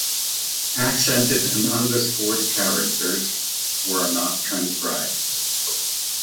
Accented and underscored characters were not transcribed.